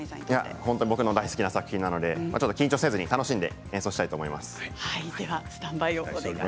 僕の大好きな作品なので緊張せずに楽しんで演奏したいと思います。